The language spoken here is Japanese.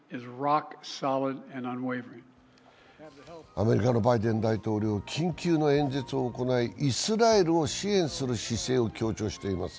アメリカのバイデン大統領、緊急の演説を行い、イスラエルを支援する姿勢を強調しています。